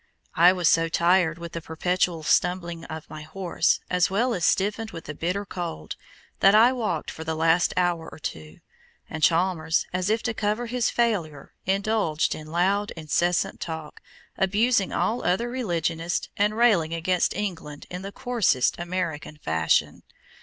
I was so tired with the perpetual stumbling of my horse, as well as stiffened with the bitter cold, that I walked for the last hour or two; and Chalmers, as if to cover his failure, indulged in loud, incessant talk, abusing all other religionists, and railing against England in the coarsest American fashion.